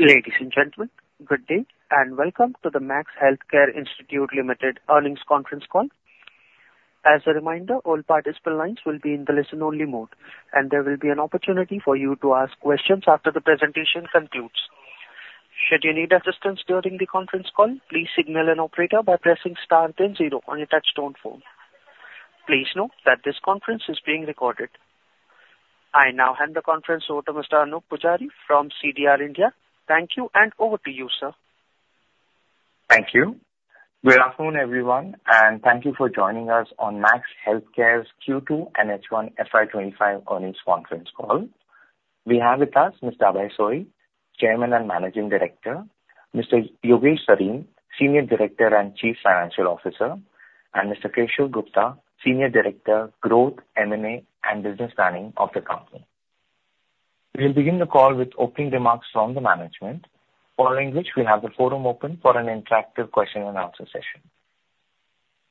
Ladies and gentlemen, good day and welcome to the Max Healthcare Institute Limited Earnings Conference Call. As a reminder, all participants will be in the listen-only mode, and there will be an opportunity for you to ask questions after the presentation concludes. Should you need assistance during the conference call, please signal an operator by pressing star one zero zero on your touchtone phone. Please note that this conference is being recorded. I now hand the conference over to Mr. Anoop Poojari from CDR India. Thank you, and over to you, sir. Thank you. Good afternoon, everyone, and thank you for joining us on Max Healthcare's Q2, H1 FY25 Earnings Conference Call. We have with us Mr. Abhay Soi, Chairman and Managing Director, Mr. Yogesh Sareen, Senior Director and Chief Financial Officer, and Mr. Keshav Gupta, Senior Director, Growth, M&A, and Business Planning of the company. We'll begin the call with opening remarks from the management, following which we have the forum open for an interactive question-and-answer session.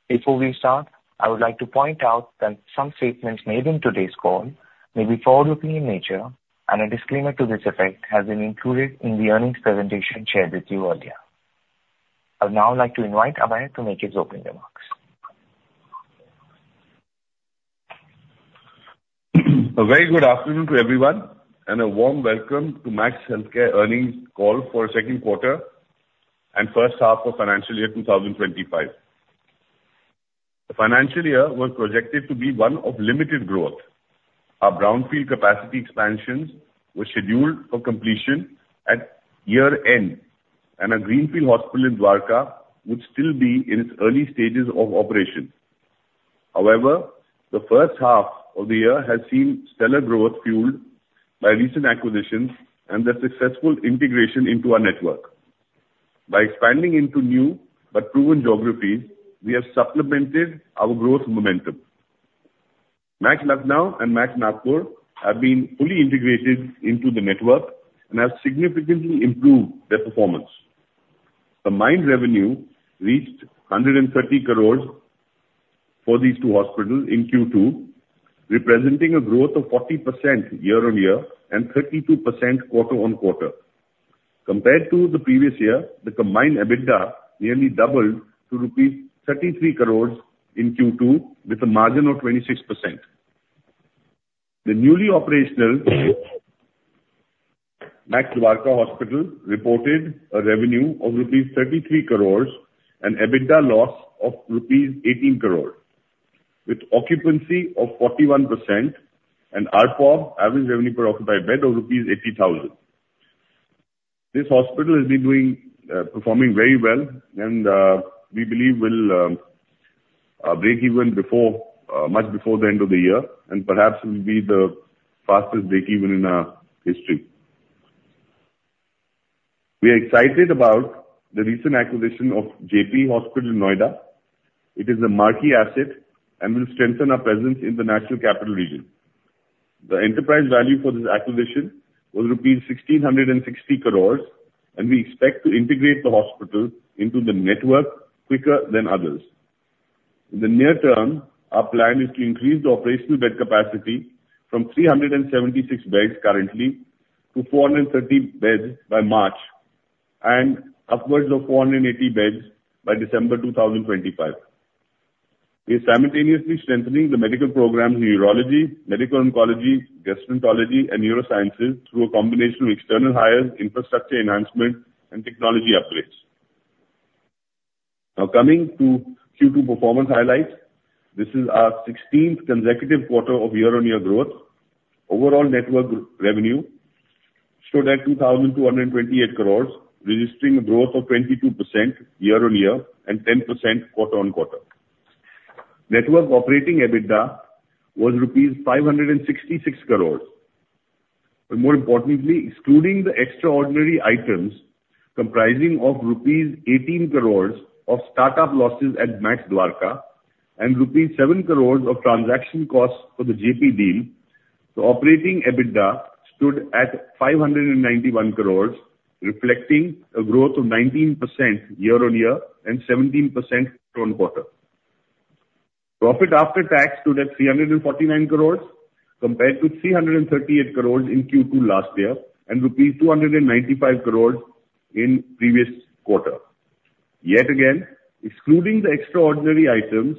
Before we start, I would like to point out that some statements made in today's call may be forward-looking in nature, and a disclaimer to this effect has been included in the earnings presentation shared with you earlier. I would now like to invite Abhay to make his opening remarks. A very good afternoon to everyone, and a warm welcome to Max Healthcare's Earnings Call for the Second Quarter and First Half of Financial Year 2025. The financial year was projected to be one of limited growth. Our brownfield capacity expansions were scheduled for completion at year-end, and our greenfield hospital in Dwarka would still be in its early stages of operation. However, the first half of the year has seen stellar growth fueled by recent acquisitions and the successful integration into our network. By expanding into new but proven geographies, we have supplemented our growth momentum. Max Lucknow and Max Nagpur have been fully integrated into the network and have significantly improved their performance. Combined revenue reached 130 crores for these two hospitals in Q2, representing a growth of 40% year-on-year and 32% quarter-on-quarter. Compared to the previous year, the combined EBITDA nearly doubled to 33 crores rupees in Q2, with a margin of 26%. The newly operational Max Dwarka Hospital reported a revenue of rupees 33 crores and EBITDA loss of rupees 18 crores, with occupancy of 41% and ARPOB, average revenue per occupied bed, of rupees 80,000. This hospital has been performing very well, and we believe will break even much before the end of the year, and perhaps will be the fastest break-even in our history. We are excited about the recent acquisition of Jaypee Hospital in Noida. It is a marquee asset and will strengthen our presence in the National Capital Region. The enterprise value for this acquisition was rupees 1,660 crores, and we expect to integrate the hospital into the network quicker than others. In the near term, our plan is to increase the operational bed capacity from 376 beds currently to 430 beds by March and upwards of 480 beds by December 2025. We are simultaneously strengthening the medical programs in urology, medical oncology, gastroenterology, and neurosciences through a combination of external hires, infrastructure enhancement, and technology upgrades. Now, coming to Q2 performance highlights, this is our 16th consecutive quarter of year-on-year growth. Overall network revenue stood at 2,228 crores, registering a growth of 22% year-on-year and 10% quarter-on-quarter. Network operating EBITDA was rupees 566 crores. More importantly, excluding the extraordinary items comprising of rupees 18 crores of startup losses at Max Dwarka and rupees 7 crores of transaction costs for the Jaypee deal, the operating EBITDA stood at 591 crores, reflecting a growth of 19% year-on-year and 17% quarter-on-quarter. Profit after tax stood at 349 crores, compared to 338 crores in Q2 last year and rupees 295 crores in previous quarter. Yet again, excluding the extraordinary items,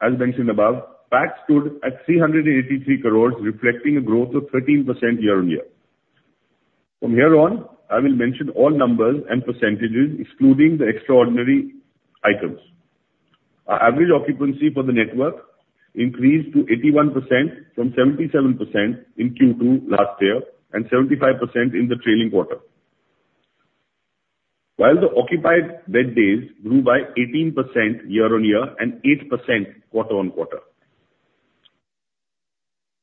as mentioned above, PAT stood at 383 crores, reflecting a growth of 13% year-on-year. From here on, I will mention all numbers and percentages, excluding the extraordinary items. Our average occupancy for the network increased to 81% from 77% in Q2 last year and 75% in the trailing quarter, while the occupied bed days grew by 18% year-on-year and 8% quarter-on-quarter.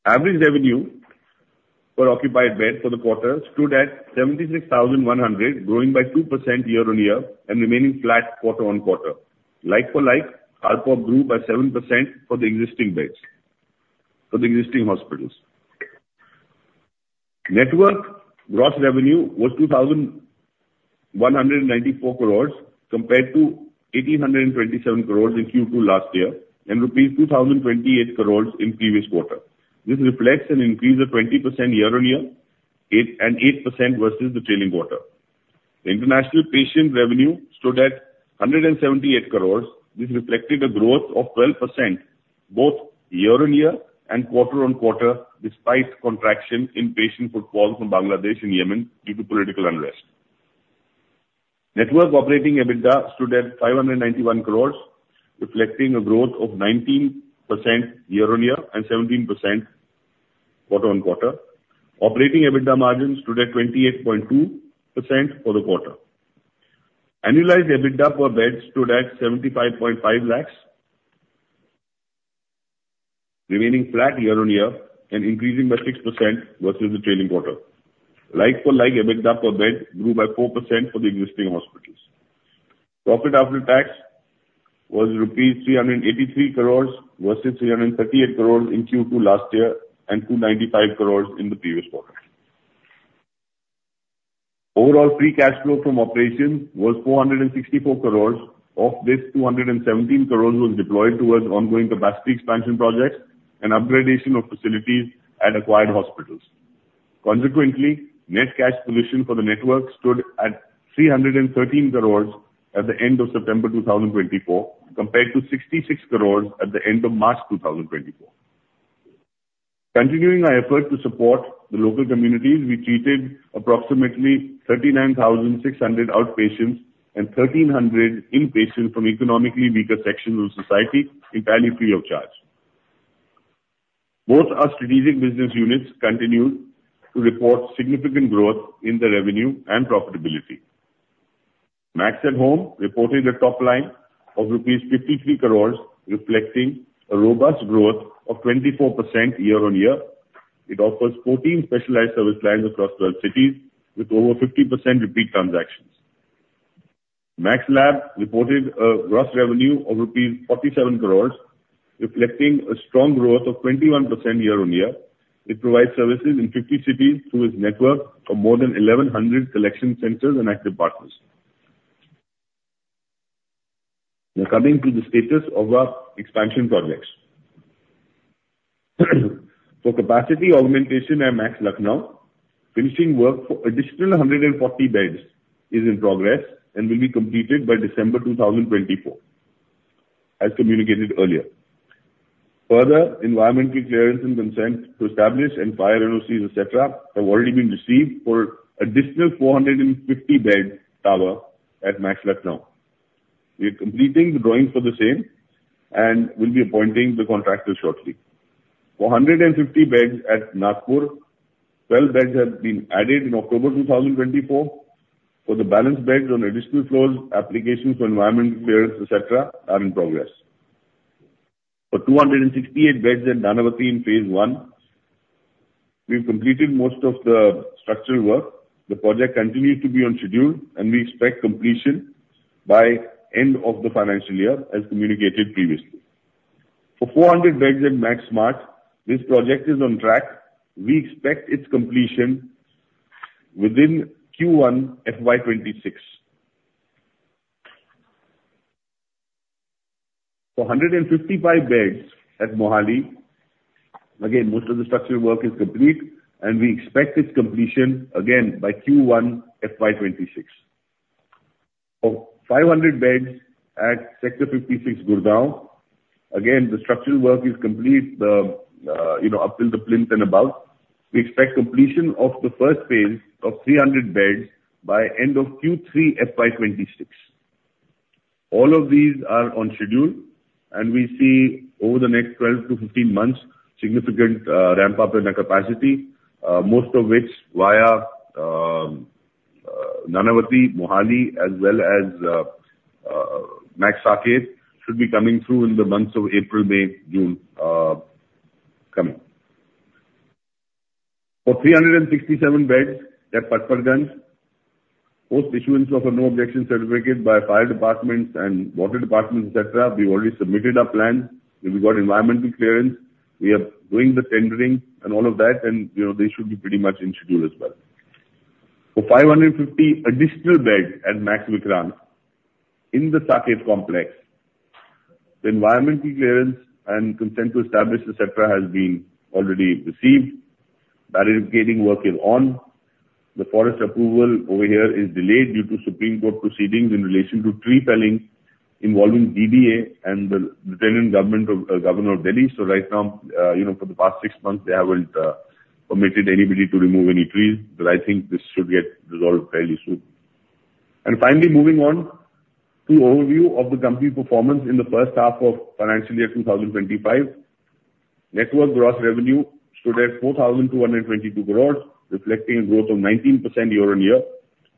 Average revenue per occupied bed for the quarter stood at 76,100, growing by 2% year-on-year and remaining flat quarter-on-quarter. Like for like, ARPOB grew by 7% for the existing beds for the existing hospitals. Network gross revenue was 2,194 crores, compared to 1,827 crores in Q2 last year and rupees 2,028 crores in previous quarter. This reflects an increase of 20% year-on-year and 8% versus the trailing quarter. International patient revenue stood at 178 crores. This reflected a growth of 12% both year-on-year and quarter-on-quarter, despite contraction in patient footfall from Bangladesh and Yemen due to political unrest. Network operating EBITDA stood at 591 crores, reflecting a growth of 19% year-on-year and 17% quarter-on-quarter. Operating EBITDA margin stood at 28.2% for the quarter. Annualized EBITDA per bed stood at 75.5 lakhs, remaining flat year-on-year and increasing by 6% versus the trailing quarter. Like for like, EBITDA per bed grew by 4% for the existing hospitals. Profit after tax was rupees 383 crores versus 338 crores in Q2 last year and 295 crores in the previous quarter. Overall free cash flow from operations was 464 crores. Of this, 217 crores were deployed towards ongoing capacity expansion projects and upgradation of facilities at acquired hospitals. Consequently, net cash position for the network stood at 313 crores at the end of September 2024, compared to 66 crores at the end of March 2024. Continuing our effort to support the local communities, we treated approximately 39,600 outpatients and 1,300 inpatients from economically weaker sections of society entirely free of charge. Both our strategic business units continued to report significant growth in their revenue and profitability. Max at Home reported a top line of rupees 53 crores, reflecting a robust growth of 24% year-on-year. It offers 14 specialized service lines across 12 cities, with over 50% repeat transactions. Max Lab reported a gross revenue of rupees 47 crores, reflecting a strong growth of 21% year-on-year. It provides services in 50 cities through its network of more than 1,100 collection centers and active partners. Now, coming to the status of our expansion projects. For capacity augmentation at Max Lucknow, finishing work for additional 140 beds is in progress and will be completed by December 2024, as communicated earlier. Further, environmental clearance and consent to establish and fire NOCs, etc., have already been received for an additional 450-bed tower at Max Lucknow. We are completing the drawings for the same and will be appointing the contractors shortly. For 150 beds at Nagpur, 12 beds have been added in October 2024. For the balance beds on additional floors, applications for environmental clearance, etc., are in progress. For 268 beds at Nanavati in phase one, we've completed most of the structural work. The project continues to be on schedule, and we expect completion by the end of the financial year, as communicated previously. For 400 beds at Max Smart, this project is on track. We expect its completion within Q1 FY 2026. For 155 beds at Mohali, again, most of the structural work is complete, and we expect its completion again by Q1 FY 2026. For 500 beds at Sector 56, Gurugram, again, the structural work is complete up till the plinth and above. We expect completion of the first phase of 300 beds by the end of Q3 FY 2026. All of these are on schedule, and we see over the next 12-15 months significant ramp-up in our capacity, most of which via Nanavati, Mohali, as well as Max Saket, should be coming through in the months of April, May, and June coming. For 367 beds at Patparganj, post-issuance of a no-objection certificate by fire departments and water departments, etc., we've already submitted our plans. We've got environmental clearance. We are doing the tendering and all of that, and they should be pretty much in schedule as well. For 550 additional beds at Max Saket in the Saket complex, the environmental clearance and consent to establish, etc., has been already received. Barricading work is on. The forest approval over here is delayed due to Supreme Court proceedings in relation to tree felling involving DDA and the Lieutenant Governor of Delhi. So right now, for the past six months, they haven't permitted anybody to remove any trees, but I think this should get resolved fairly soon, and finally, moving on to an overview of the company performance in the first half of financial year 2025, network gross revenue stood at 4,222 crores, reflecting a growth of 19% year-on-year.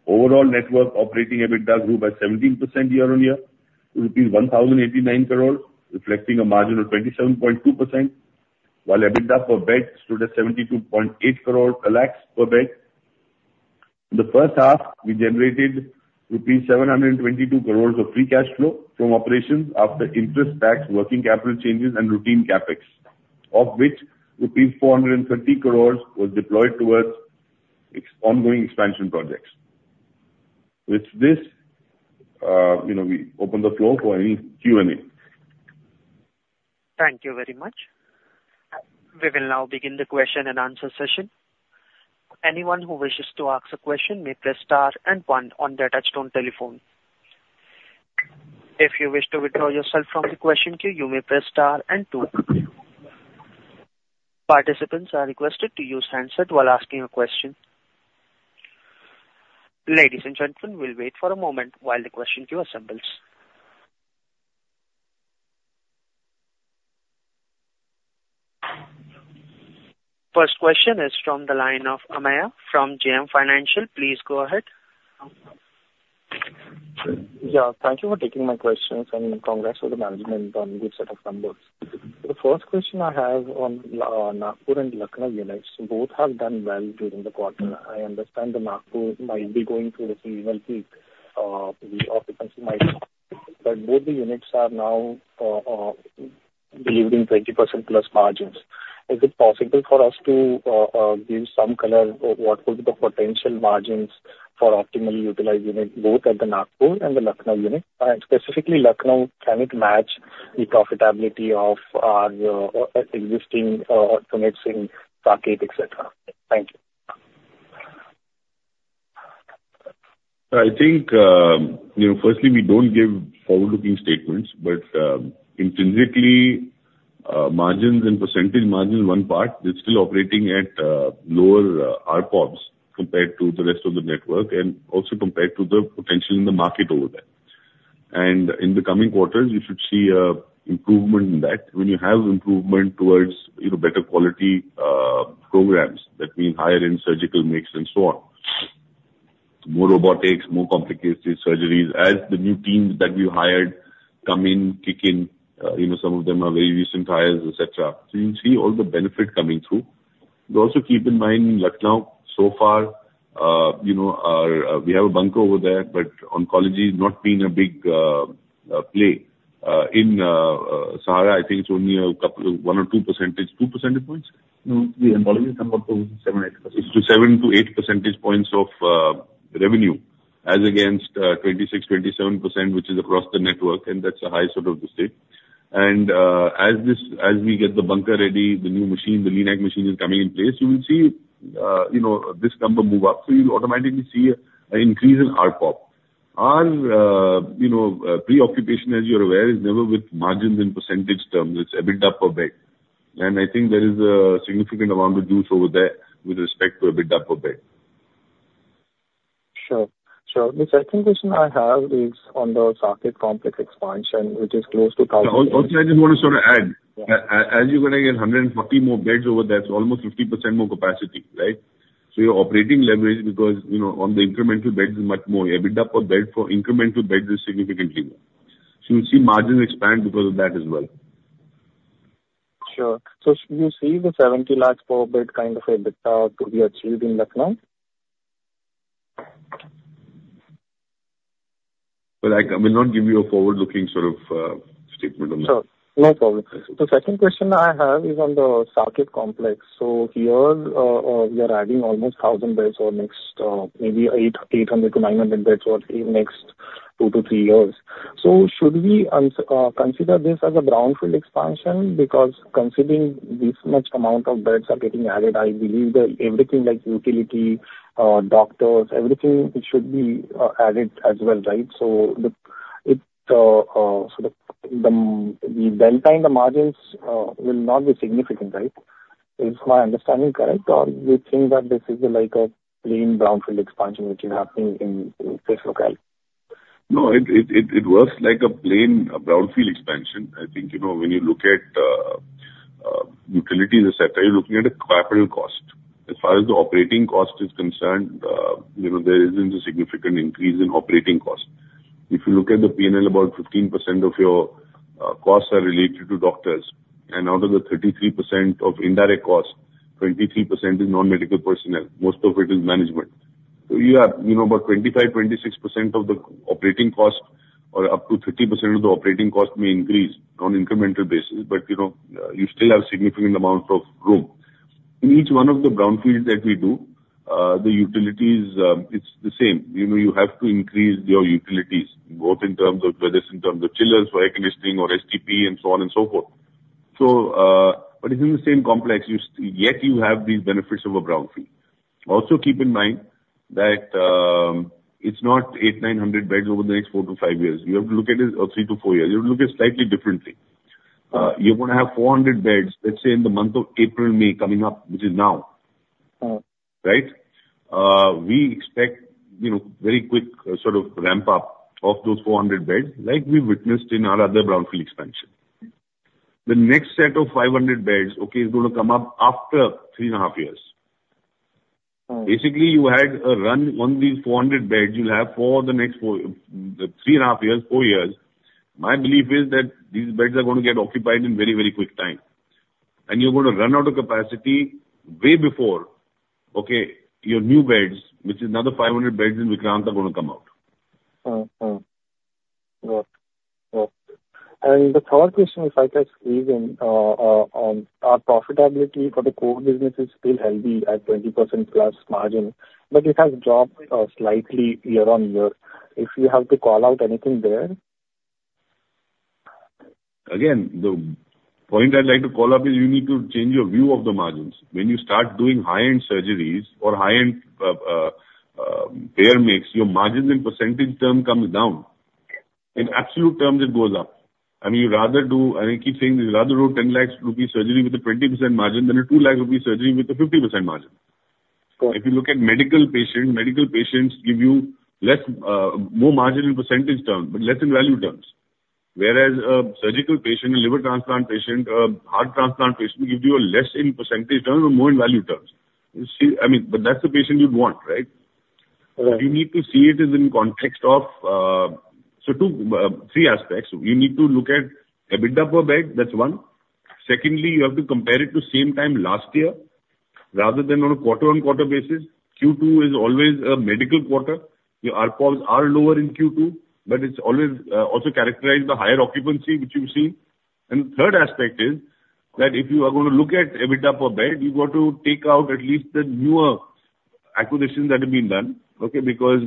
Overall network operating EBITDA grew by 17% year-on-year to rupees 1,089 crores, reflecting a margin of 27.2%, while EBITDA per bed stood at 72.8 lakhs per bed. In the first half, we generated rupees 722 crores of free cash flow from operations after interest tax, working capital changes, and routine CAPEX, of which 430 crores was deployed towards ongoing expansion projects. With this, we open the floor for any Q&A. Thank you very much. We will now begin the question and answer session. Anyone who wishes to ask a question may press star and one on their touchtone telephone. If you wish to withdraw yourself from the question queue, you may press star and two. Participants are requested to use handset while asking a question. Ladies and gentlemen, we'll wait for a moment while the question queue assembles. First question is from the line of Amey from JM Financial. Please go ahead. Yeah, thank you for taking my questions, and congrats to the management on a good set of numbers. The first question I have on Nagpur and Lucknow units. Both have done well during the quarter. I understand that Nagpur might be going through the seasonal peak, the occupancy might, but both the units are now delivering 20%+ margins. Is it possible for us to give some color of what would be the potential margins for optimally utilized units, both at the Nagpur and the Lucknow unit? Specifically, Lucknow, can it match the profitability of our existing units in Saket, etc.? Thank you. I think, firstly, we don't give forward-looking statements, but intrinsically, margins and percentage margins, one part, they're still operating at lower ARPOBs compared to the rest of the network and also compared to the potential in the market over there. And in the coming quarters, you should see an improvement in that when you have improvement towards better quality programs. That means higher-end surgical mix and so on, more robotics, more complicated surgeries as the new teams that we've hired come in, kick in. Some of them are very recent hires, etc. So you see all the benefit coming through. We also keep in mind Lucknow so far, we have a bunker over there, but oncology is not being a big play in Sahara. I think it's only a couple of 1 or 2 percentage, 2 percentage points. The oncology is somewhere close to 7%-8%. It's 7-8 percentage points of revenue as against 26%-27%, which is across the network, and that's the highest sort of the state, and as we get the bunker ready, the new machine, the Linac machine is coming in place, you will see this number move up. So you'll automatically see an increase in ARPOB. Our preoccupation, as you're aware, is never with margins in percentage terms. It's EBITDA per bed. And I think there is a significant amount of juice over there with respect to EBITDA per bed. Sure. Sure. The second question I have is on the Saket complex expansion, which is close to 1,000. Also, I just want to sort of add, as you're going to get 140 more beds over there, it's almost 50% more capacity, right? So your operating leverage, because on the incremental beds, it's much more EBITDA per bed for incremental beds is significantly more. So you'll see margins expand because of that as well. Sure. So you see the 70 lakhs per bed kind of EBITDA to be achieved in Lucknow? But I will not give you a forward-looking sort of statement on that. Sure. No problem. The second question I have is on the Saket complex. So here, we are adding almost 1,000 beds or maybe 800-900 beds for the next two to three years. So should we consider this as a brownfield expansion? Because considering this much amount of beds are getting added, I believe that everything like utility, doctors, everything should be added as well, right? So the delta in the margins will not be significant, right? Is my understanding correct, or do you think that this is like a plain brownfield expansion which is happening in this locale? No, it works like a plain brownfield expansion. I think when you look at utilities, etc., you're looking at a quadruple cost. As far as the operating cost is concerned, there isn't a significant increase in operating cost. If you look at the P&L, about 15% of your costs are related to doctors, and out of the 33% of indirect costs, 23% is non-medical personnel. Most of it is management. So you have about 25%-26% of the operating cost, or up to 30% of the operating cost may increase on an incremental basis, but you still have a significant amount of room. In each one of the brownfields that we do, the utilities, it's the same. You have to increase your utilities, both in terms of whether it's in terms of chillers, air conditioning, or STP, and so on and so forth. But it's in the same complex. Yet, you have these benefits of a brownfield. Also, keep in mind that it's not 8,900 beds over the next four to five years. You have to look at it three to four years. You have to look at it slightly differently. You're going to have 400 beds, let's say in the month of April, May coming up, which is now, right? We expect very quick sort of ramp-up of those 400 beds, like we witnessed in our other brownfield expansion. The next set of 500 beds, okay, is going to come up after three and a half years. Basically, you had a run on these 400 beds you'll have for the next three and a half years, four years. My belief is that these beds are going to get occupied in very, very quick time. And you're going to run out of capacity way before, okay, your new beds, which is another 500 beds in Vikram, are going to come out. Got it. Got it. The third question, if I can squeeze in, our profitability for the core business is still healthy at 20%+ margin, but it has dropped slightly year on year. If you have to call out anything there? Again, the point I'd like to call out is you need to change your view of the margins. When you start doing high-end surgeries or high-end payer mix, your margins in percentage terms come down. In absolute terms, it goes up. I mean, you'd rather do, and I keep saying this, you'd rather do a 10 lakh rupee surgery with a 20% margin than a 2 lakh rupee surgery with a 50% margin. If you look at medical patients, medical patients give you more margin in percentage terms, but less in value terms. Whereas a surgical patient, a liver transplant patient, a heart transplant patient gives you less in percentage terms and more in value terms. I mean, but that's the patient you'd want, right? You need to see it as in context of three aspects. You need to look at EBITDA per bed. That's one. Secondly, you have to compare it to same time last year rather than on a quarter-on-quarter basis. Q2 is always a medical quarter. Your ARPOBs are lower in Q2, but it's always also characterized by higher occupancy, which you've seen, and the third aspect is that if you are going to look at EBITDA per bed, you've got to take out at least the newer acquisitions that have been done, okay, because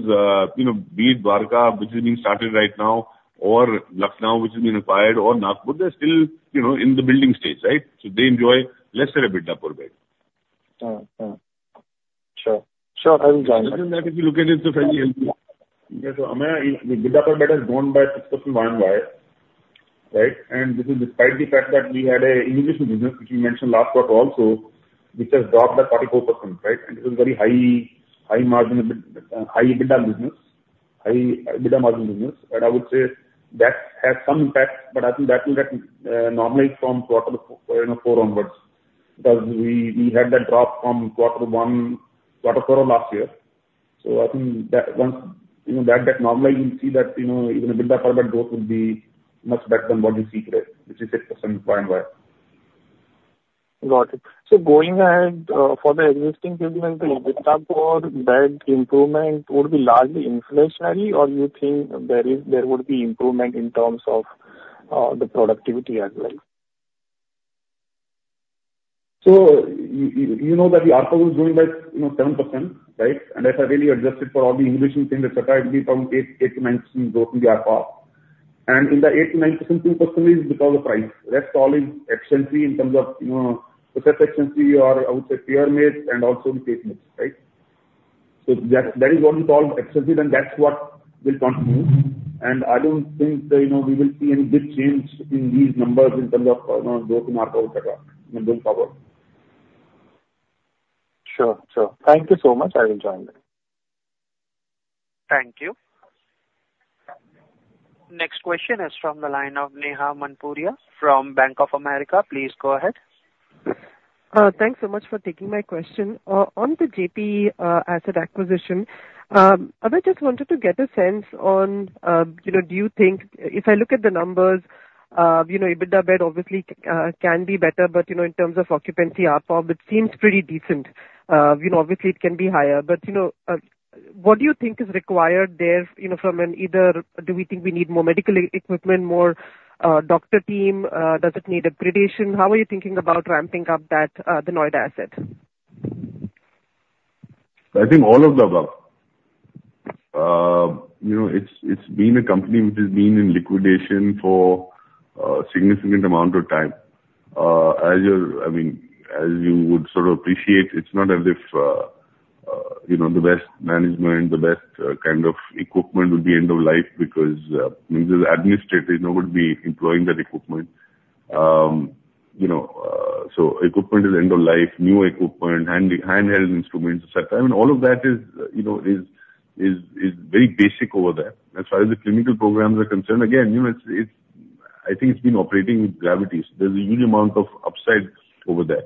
you know, be it Dwarka, which is being started right now, or Lucknow, which has been acquired, or Nagpur, they're still in the building stage, right? So they enjoy lesser EBITDA per bed. Sure. Sure. I will join the queue. Other than that, if you look at it, it's a fairly healthy. Yeah, so Amey, the EBITDA per bed has grown by 6.1%, right? And this is despite the fact that we had an imaging business, which we mentioned last quarter also, which has dropped by 44%, right? And it was a very high-margin EBITDA business, high EBITDA margin business. And I would say that has some impact, but I think that will normalize from quarter four onwards because we had that drop from quarter one last year. So I think that normalize, you'll see that even EBITDA per bed growth would be much better than what you see today, which is 6 percentage points. Got it. So going ahead for the existing business, the EBITDA per bed improvement would be largely inflationary, or you think there would be improvement in terms of the productivity as well? So you know that the ARPOB is growing by 7%, right? And that's already adjusted for all the inflationary things, etc., it will be from 8%-9% growth in the ARPOB. And in the 8%-9%, 2% is because of price. That's all is asymmetry in terms of excess asymmetry or, I would say, pure mix and also the case mix, right? So that is what we call asymmetry, then that's what will continue. And I don't think we will see any big change in these numbers in terms of growth in ARPOB, etc., in the growth profile. Sure. Sure. Thank you so much. I will join the queue. Thank you. Next question is from the line of Neha Manpuria from Bank of America. Please go ahead. Thanks so much for taking my question. On the Jaypee asset acquisition, I just wanted to get a sense on, do you think if I look at the numbers, EBITDA bed obviously can be better, but in terms of occupancy, ARPOB, it seems pretty decent. Obviously, it can be higher. But what do you think is required there from an either do we think we need more medical equipment, more doctor team? Does it need upgradation? How are you thinking about ramping up that Noida asset? I think all of the above. It's been a company which has been in liquidation for a significant amount of time. I mean, as you would sort of appreciate, it's not as if the best management, the best kind of equipment would be end of life because administrators would be employing that equipment. So equipment is end of life, new equipment, handheld instruments, etc. I mean, all of that is very basic over there. As far as the clinical programs are concerned, again, I think it's been operating with gravity. There's a huge amount of upside over there.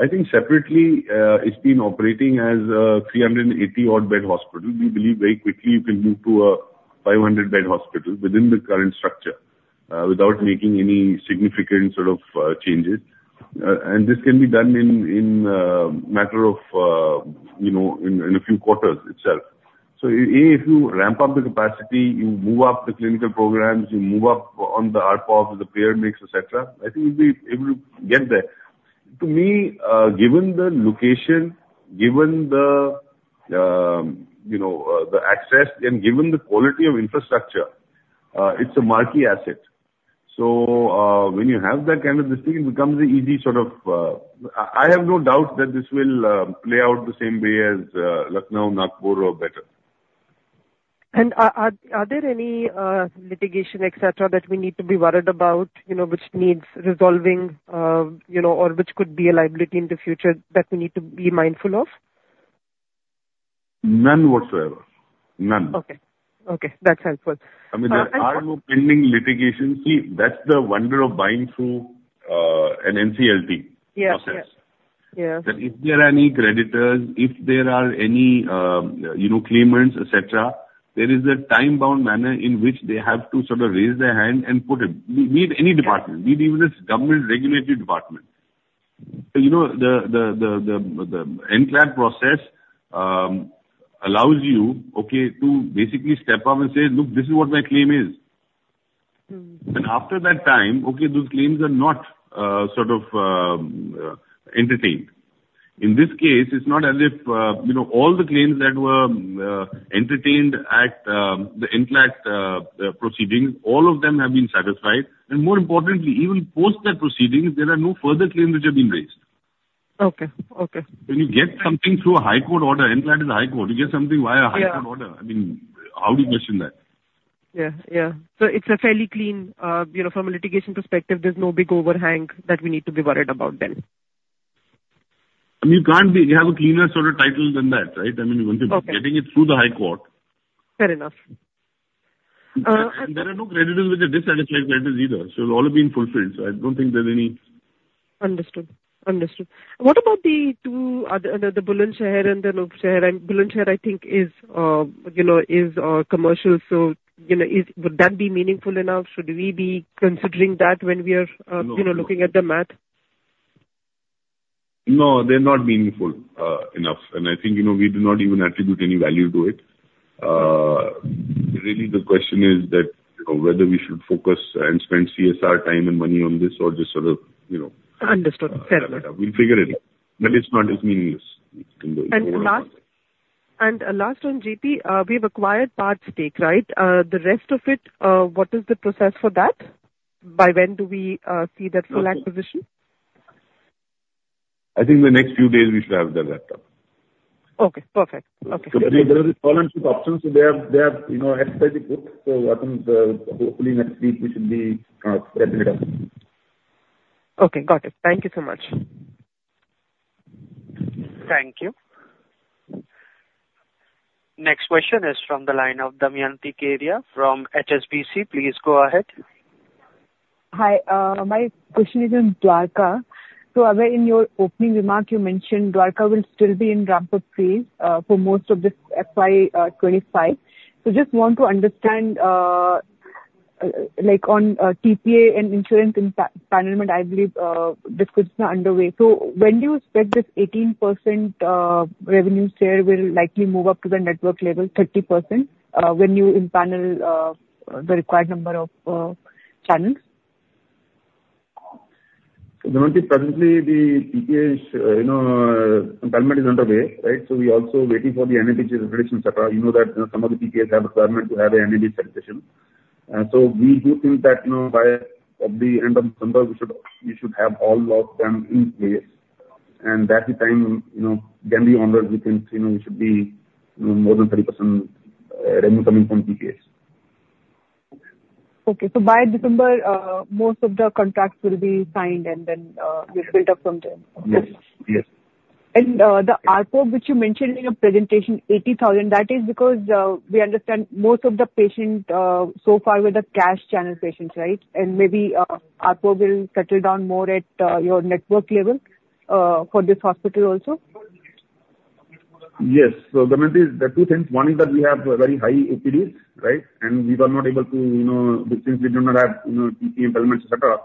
I think separately, it's been operating as a 380-odd-bed hospital. We believe very quickly you can move to a 500-bed hospital within the current structure without making any significant sort of changes, and this can be done in a matter of a few quarters itself. So if you ramp up the capacity, you move up the clinical programs, you move up on the ARPOB, the payer mix, etc., I think we'll be able to get there. To me, given the location, given the access, and given the quality of infrastructure, it's a marquee asset. So when you have that kind of distinct, it becomes an easy sort of. I have no doubt that this will play out the same way as Lucknow, Nagpur, or better. And are there any litigation, etc., that we need to be worried about, which needs resolving or which could be a liability in the future that we need to be mindful of? None whatsoever. None. Okay. Okay. That's helpful. I mean, there are no pending litigations. See, that's the wonder of buying through an NCLT process. That if there are any creditors, if there are any claimants, etc., there is a time-bound manner in which they have to sort of raise their hand and put it. Be it any department, be it even a government-regulated department. The NCLT process allows you, okay, to basically step up and say, "Look, this is what my claim is," and after that time, okay, those claims are not sort of entertained. In this case, it's not as if all the claims that were entertained at the NCLT proceedings, all of them have been satisfied, and more importantly, even post that proceeding, there are no further claims which have been raised. Okay. Okay. When you get something through a high court order, NCLT is a high court. You get something via a high court order. I mean, how do you question that? Yeah. Yeah. So it's a fairly clean from a litigation perspective. There's no big overhang that we need to be worried about then. I mean, you can't have a cleaner sort of title than that, right? I mean, once you're getting it through the high court. Fair enough. And there are no creditors which are dissatisfied creditors either. So it's all been fulfilled. So I don't think there's any. Understood. Understood. What about the two other, the Bulandshahr and the Anupshahr? Bulandshahr, I think, is commercial. So would that be meaningful enough? Should we be considering that when we are looking at the math? No, they're not meaningful enough. And I think we do not even attribute any value to it. Really, the question is that whether we should focus and spend CSR time and money on this or just sort of. We'll figure it out. But it's not as meaningless. And last on Jaypee, we've acquired part stake, right? The rest of it, what is the process for that? By when do we see that full acquisition? I think in the next few days, we should have that wrapped up. Okay. Perfect. Okay. So there are these tolerance options. So they have expedited books. So I think hopefully next week, we should be wrapping it up. Okay. Got it. Thank you so much. Thank you. Next question is from the line of Damayanti Kerai from HSBC. Please go ahead. Hi. My question is on Dwarka. So in your opening remark, you mentioned Dwarka will still be in ramp-up phase for most of this FY 2025. So just want to understand on TPA and insurance impanelment, I believe discussion is underway. So when do you expect this 18% revenue share will likely move up to the network level, 30%, when you impanel the required number of channels? The one thing presently, the TPA's empanelment is underway, right? So we're also waiting for the NABH certification, etc. You know that some of the TPAs have a requirement to have an NABH certification. So we do think that by the end of December, we should have all of them in place. And that's the time can be honored within we should be more than 30% revenue coming from TPAs. Okay. So by December, most of the contracts will be signed and then built up from there. Yes. Yes. And the ARPOB, which you mentioned in your presentation, 80,000, that is because we understand most of the patients so far were the cash channel patients, right? And maybe ARPOB will settle down more at your network level for this hospital also? Yes. So the two things, one is that we have very high OPDs, right? And we were not able to because we do not have TPA empanelment, etc.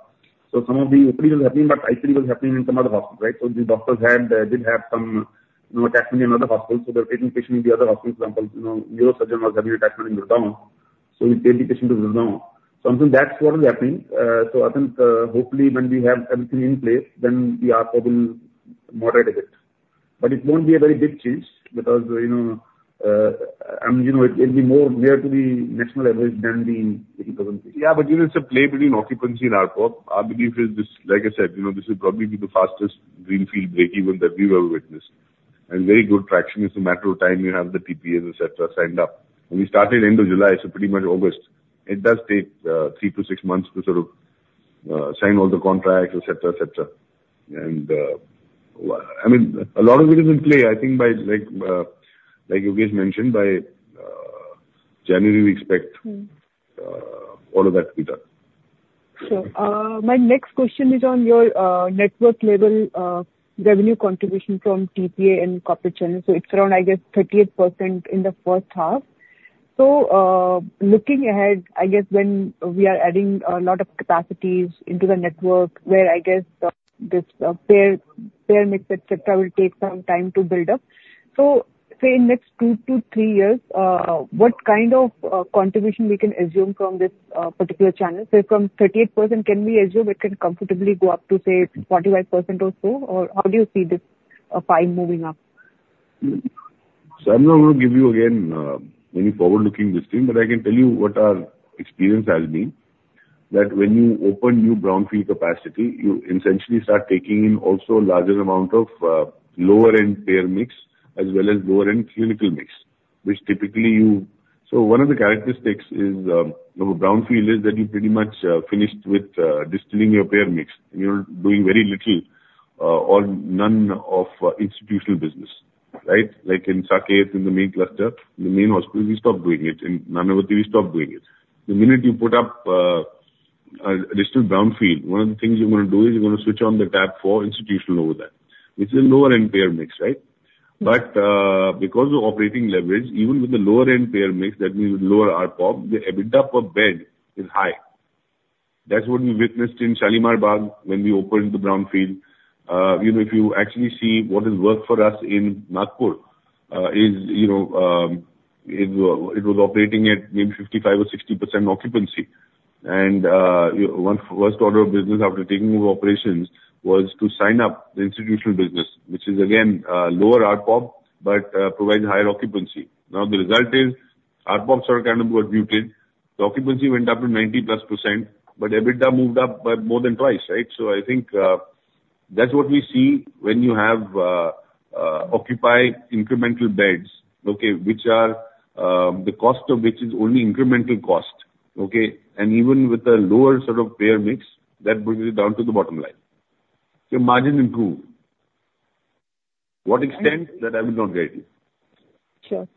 So some of the OPDs were happening, but I think it was happening in some other hospital, right? So these doctors did have some attachment in another hospital. So they were taking patients in the other hospital. For example, a neurosurgeon was having an attachment in. [inaudible] So we gave the patient to. [inaudible] So I think that's what was happening. So I think hopefully when we have everything in place, then the ARPOB will moderate a bit. But it won't be a very big change because it will be more near to the national average than the 80,000 patients. Yeah. But you know it's a play between occupancy and ARPOB. I believe it is, like I said, this will probably be the fastest greenfield break even that we've ever witnessed. And very good traction is a matter of time you have the TPAs, etc., signed up. And we started end of July, so pretty much August. It does take three to six months to sort of sign all the contracts, etc., etc. And I mean, a lot of it is in play. I think like Yogesh mentioned, by January, we expect all of that to be done. Sure. My next question is on your network level revenue contribution from TPA and corporate channels. So it's around, I guess, 38% in the first half. So looking ahead, I guess when we are adding a lot of capacities into the network, where I guess this payer mix, etc., will take some time to build up. So say in the next two to three years, what kind of contribution we can assume from this particular channel? So from 38%, can we assume it can comfortably go up to say 45% or so? Or how do you see this pie moving up? So I'm not going to give you again any forward-looking guidance, but I can tell you what our experience has been. That when you open new brownfield capacity, you essentially start taking in also a larger amount of lower-end payer mix as well as lower-end clinical mix, which typically, so one of the characteristics of a brownfield is that you pretty much finished with distilling your payer mix. You're doing very little or none of institutional business, right? Like in Saket, in the main cluster, in the main hospital, we stopped doing it. In Nanavati, we stopped doing it. The minute you put up a distilled brownfield, one of the things you're going to do is you're going to switch on the tab for institutional over there, which is a lower-end payer mix, right? But because of operating leverage, even with the lower-end payer mix, that means with lower ARPOB, the EBITDA per bed is high. That's what we witnessed in Shalimar Bagh when we opened the brownfield. If you actually see what has worked for us in Nagpur, it was operating at maybe 55% or 60% occupancy. And one first order of business after taking over operations was to sign up the institutional business, which is again lower ARPOB, but provides higher occupancy. Now the result is ARPOB sort of kind of got muted. The occupancy went up to 90%+, but EBITDA moved up by more than twice, right? So I think that's what we see when you have occupy incremental beds, okay, which are the cost of which is only incremental cost, okay? And even with a lower sort of payer mix, that brings it down to the bottom line. The margin improved. What extent? That I will not guide you. Sure.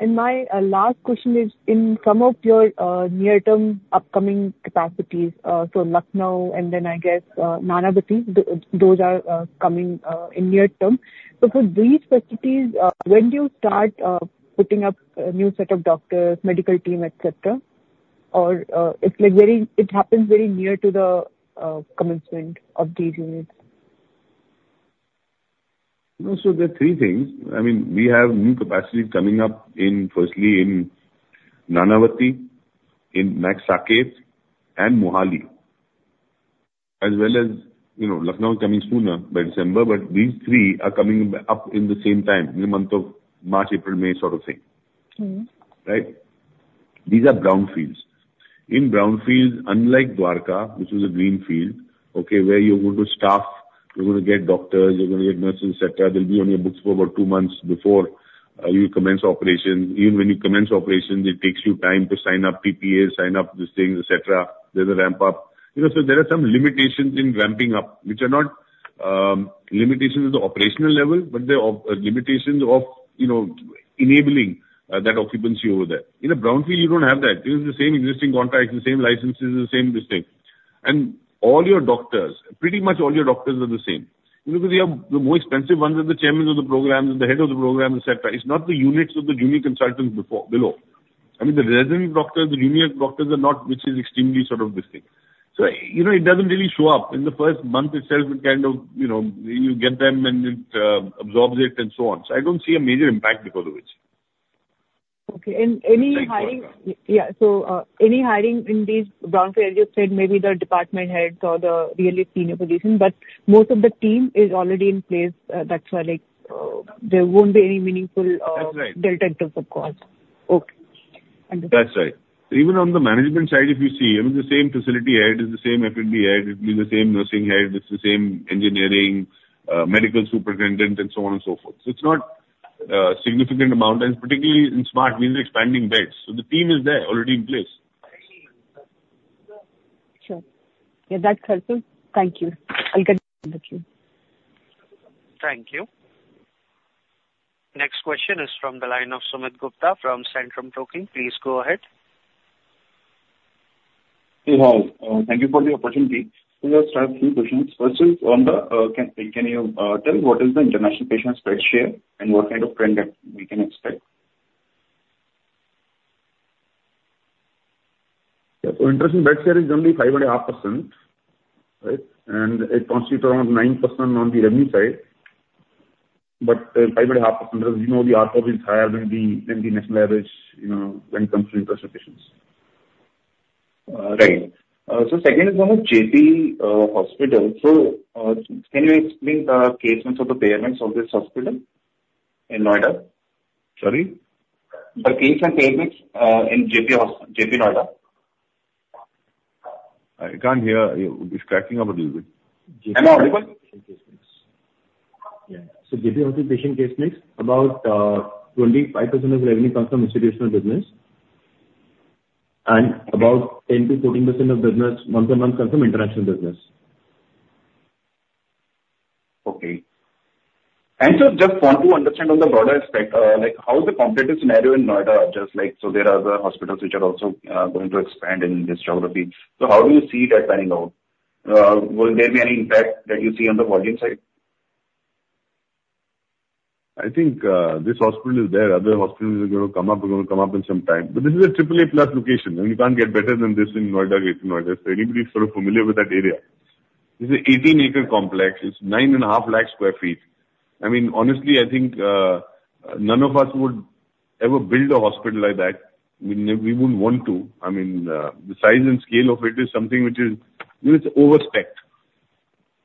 And my last question is in some of your near-term upcoming capacities, so Lucknow and then I guess Nanavati, those are coming in near term. So for these facilities, when do you start putting up a new set of doctors, medical team, etc.? Or it happens very near to the commencement of these units? So there are three things. I mean, we have new capacity coming up firstly in Nanavati, in Max Saket, and Mohali, as well as Lucknow is coming sooner by December, but these three are coming up in the same time, in the month of March, April, May sort of thing, right? These are brownfields. In brownfields, unlike Dwarka, which was a greenfield, okay, where you're going to staff, you're going to get doctors, you're going to get nurses, etc., they'll be on your books for about two months before you commence operations. Even when you commence operations, it takes you time to sign up TPAs, sign up these things, etc. There's a ramp-up. So there are some limitations in ramping up, which are not limitations at the operational level, but they are limitations of enabling that occupancy over there. In a brownfield, you don't have that. It is the same existing contracts, the same licenses, the same distinct, and all your doctors, pretty much all your doctors are the same. Because the more expensive ones are the chairmen of the programs, the head of the programs, etc. It's not the units of the junior consultants below. I mean, the resident doctors, the junior doctors are not, which is extremely sort of distinct. So it doesn't really show up in the first month itself. It kind of you get them and it absorbs it and so on. So I don't see a major impact because of it. Okay, and any hiring? Yeah, so any hiring in these brownfields, as you said, maybe the department heads or the really senior position, but most of the team is already in place. That's why there won't be any meaningful delta in terms of cost. Okay. Understood. That's right. Even on the management side, if you see, I mean, the same facility head is the same F&B head, it will be the same nursing head, it's the same engineering, medical superintendent, and so on and so forth. So it's not a significant amount, and particularly in Smart, we're expanding beds. So the team is there already in place. Sure. Yeah, that's helpful. Thank you. I'll get back to the queue. Thank you. Next question is from the line of Sumit Gupta from Centrum Broking. Please go ahead. Hey, hi. Thank you for the opportunity. So let's start with three questions. First is, can you tell what is the international patients' bed share and what kind of trend that we can expect? So, international bed share is generally 5.5%, right? And it constitutes around 9% on the revenue side. But 5.5%, as you know, the ARPOB is higher than the national average when it comes to international patients. Right. So second is on the Jaypee Hospital. So can you explain the case and sort of payer mix of this hospital in Noida? The case and payer mix in Jaypee Noida? So Jaypee Hospital patient case mix, about 25% of revenue comes from institutional business and about 10%-14% of business month-to-month comes from international business. Okay. And so just want to understand on the broader aspect, how is the competitive scenario in Noida? Just like so there are other hospitals which are also going to expand in this geography. So how do you see that panning out? Will there be any impact that you see on the volume side? I think this hospital is there. Other hospitals are going to come up. We're going to come up in some time, but this is a AAA+ location. You can't get better than this in Noida. So anybody's sort of familiar with that area. This is an 18-acre complex. It's 950000 sq ft. I mean, honestly, I think none of us would ever build a hospital like that. We wouldn't want to. I mean, the size and scale of it is something which is over specced.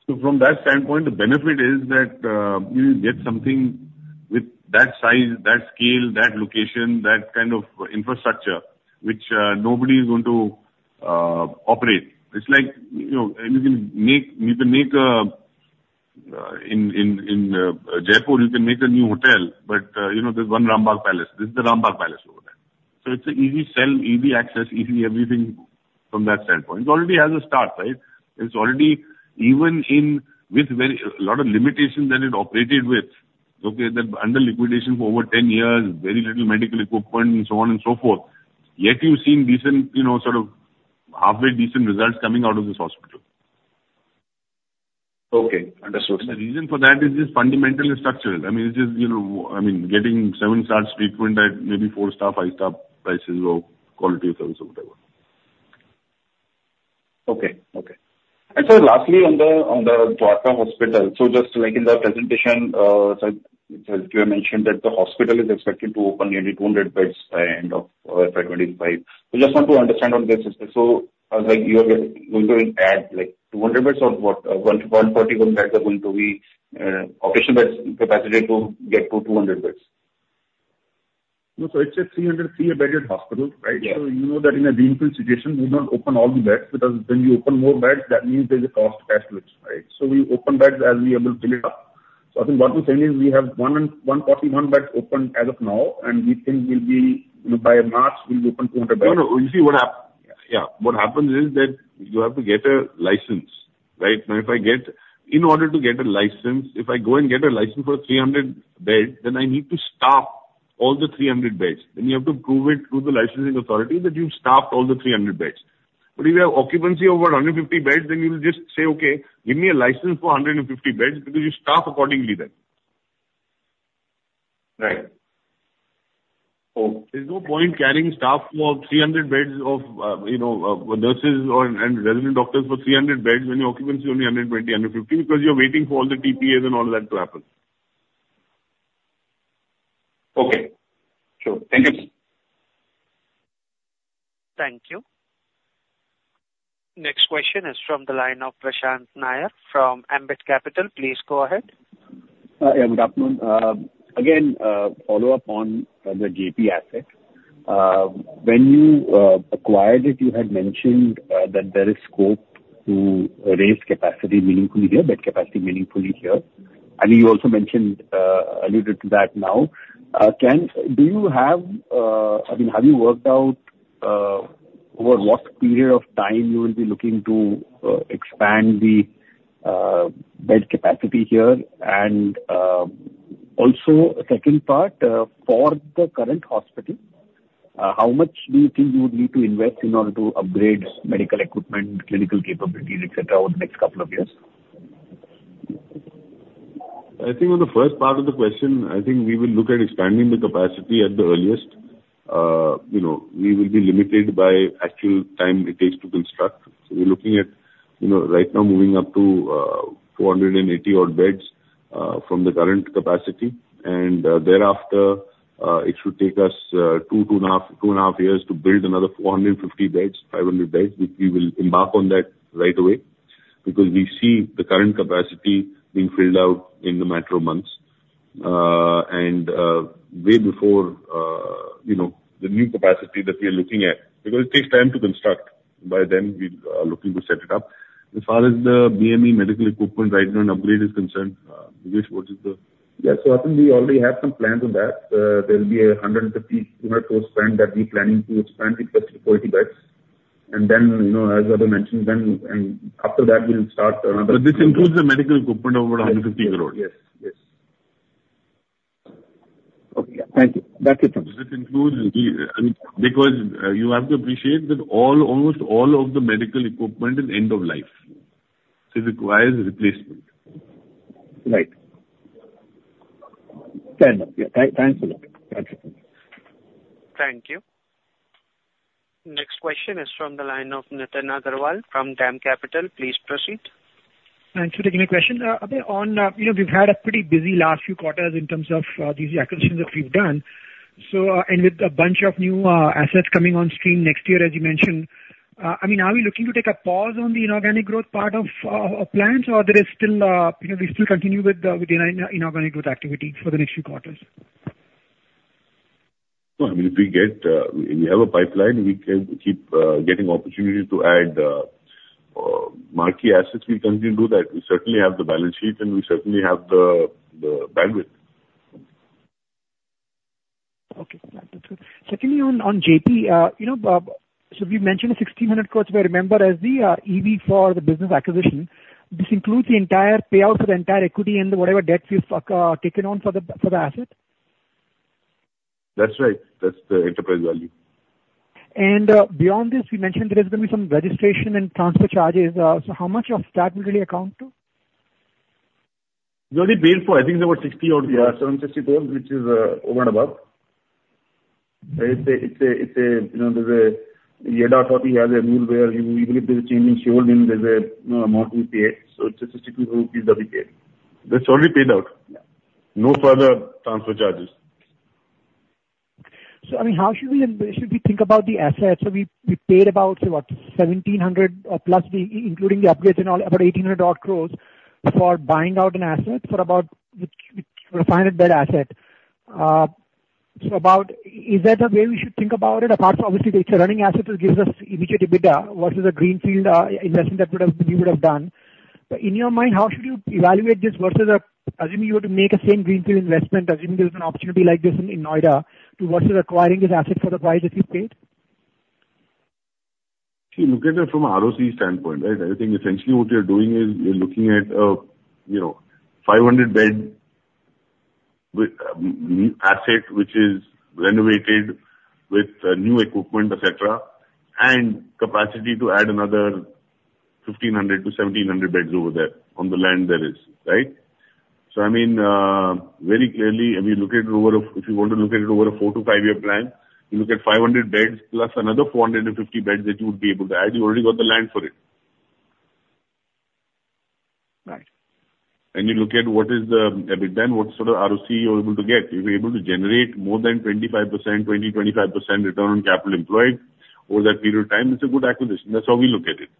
So from that standpoint, the benefit is that you get something with that size, that scale, that location, that kind of infrastructure, which nobody is going to operate. It's like you can make in Jaipur, you can make a new hotel, but there's one Rambagh Palace. This is the Rambagh Palace over there. So it's an easy sell, easy access, easy everything from that standpoint. It already has a start, right? It's already even with a lot of limitations that it operated with, okay, that under liquidation for over 10 years, very little medical equipment, and so on and so forth. Yet you've seen decent sort of halfway decent results coming out of this hospital. Okay. Understood. The reason for that is just fundamental and structural. I mean, it's just, I mean, getting seven-stars treatment at maybe four-star, five-star prices or quality of service or whatever. Okay. Okay. And so lastly on the Dwarka hospital, so just like in the presentation, so you mentioned that the hospital is expected to open nearly 200 beds by end of FY 2025. So just want to understand on this aspect. So you're going to add like 200 beds or what? 141 beds are going to be operational beds capacity to get to 200 beds? So it's a 303-bedded hospital, right? So you know that in a greenfield situation, we don't open all the beds because when you open more beds, that means there's a cost attached to it, right? So we open beds as we are able to fill it up. So I think what we're saying is we have 141 beds open as of now, and we think we'll be by March, we'll be open 200 beds. No, no. You see what happens? Yeah. What happens is that you have to get a license, right? Now, if I get in order to get a license, if I go and get a license for 300 beds, then I need to staff all the 300 beds. Then you have to prove it through the licensing authority that you've staffed all the 300 beds. But if you have occupancy of about 150 beds, then you will just say, "Okay, give me a license for 150 beds because you staff accordingly then." There's no point carrying staff for 300 beds of nurses and resident doctors for 300 beds when your occupancy is only 120, 150 because you're waiting for all the TPAs and all that to happen. Okay. Sure. Thank you. Thank you. Next question is from the line of Prashant Nair from Ambit Capital. Please go ahead. Good afternoon. Again, follow-up on the Jaypee asset. When you acquired it, you had mentioned that there is scope to raise capacity meaningfully here, bed capacity meaningfully here. I think you also mentioned alluded to that now. Do you have I mean, have you worked out over what period of time you will be looking to expand the bed capacity here? And also second part, for the current hospital, how much do you think you would need to invest in order to upgrade medical equipment, clinical capabilities, etc., over the next couple of years? I think on the first part of the question, I think we will look at expanding the capacity at the earliest. We will be limited by actual time it takes to construct. So we're looking at right now moving up to 480 odd beds from the current capacity. And thereafter, it should take us two, two and a half years to build another 450 beds, 500 beds, which we will embark on that right away because we see the current capacity being filled out in a matter of months and way before the new capacity that we are looking at. Because it takes time to construct, by then we are looking to set it up. As far as the BME medical equipment right now and upgrade is concerned, Yogesh, what is the? Yeah. So I think we already have some plans on that. There will be a 150-200+ spend that we're planning to expand with 40 beds. And then, as I mentioned, then after that, we'll start another project. But this includes the medical equipment over 150 gross. Yes. Yes. Okay. Thank you. That's it. This includes the, I mean, because you have to appreciate that almost all of the medical equipment is end of life. So it requires replacement. Right. Fair enough. Yeah. Thanks a lot. Thank you. Thank you. Next question is from the line of Nitin Agarwal from DAM Capital. Please proceed. Thanks for taking the question. A bit on, we've had a pretty busy last few quarters in terms of these acquisitions that we've done. With a bunch of new assets coming on stream next year, as you mentioned, I mean, are we looking to take a pause on the inorganic growth part of plans or are there still we still continue with the inorganic growth activity for the next few quarters? I mean, if we get we have a pipeline, we can keep getting opportunities to add marquee assets. We'll continue to do that. We certainly have the balance sheet and we certainly have the bandwidth. Okay. That's good. Secondly, on Jaypee, so we've mentioned 1,600 crores. I remember as the EV for the business acquisition, this includes the entire payout for the entire equity and whatever debts you've taken on for the asset? That's right. That's the enterprise value. Beyond this, you mentioned there is going to be some registration and transfer charges. So how much of that will really account to? The only paid, I think it's about 62 crores out of 760 crores, which is over and above. It's a DDA policy has a rule where even if there's a change in shareholding, then there's an amount we pay. So it's INR 62 crores that we pay. That's already paid out. No further transfer charges. So I mean, how should we think about the assets? So we paid about, what, 1,700+ crores, including the upgrades and all, about 1,800 odd crores for buying out an asset for about a 500-bed asset. So is that the way we should think about it? Apart from, obviously, it's a running asset that gives us immediate EBITDA versus a greenfield investment that we would have done. But in your mind, how should you evaluate this versus assuming you were to make a same greenfield investment, assuming there's an opportunity like this in Noida, versus acquiring this asset for the price that you paid? Look at it from a ROCE standpoint, right? I think essentially what you're doing is you're looking at a 500-bed asset, which is renovated with new equipment, etc., and capacity to add another 1,500-1,700 beds over there on the land there is, right? So I mean, very clearly, if you want to look at it over a four to five-year plan, you look at 500 beds plus another 450 beds that you would be able to add. You already got the land for it. And you look at what is the EBITDA and what sort of ROCE you're able to get. If you're able to generate more than 25%, 20%, 25% return on capital employed over that period of time, it's a good acquisition. That's how we look at it.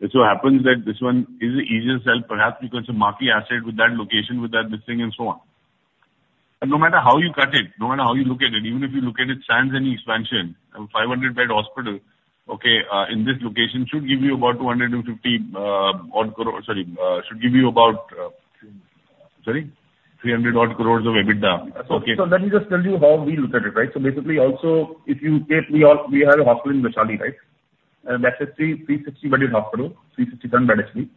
It so happens that this one is easier to sell, perhaps because of marquee asset with that location, with that listing and so on. But no matter how you cut it, no matter how you look at it, even if you look at it, standard any expansion, a 500-bed hospital, okay, in this location should give you about 250 crores, sorry, should give you about, sorry, 300 crores of EBITDA. Let me just tell you how we look at it, right? Basically, also if you take we have a hospital in Vaishali, right? And that's a 360-bedded hospital, 360-bed actually.